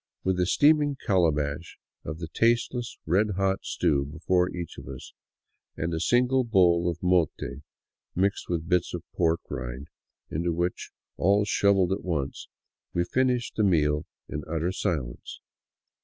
With a steaming calabash of the tasteless, red hot stew be fore each of us, and a single bowl of mote mixed with bits of pork rind into which all shovelled at once, we finished the meal in utter silence.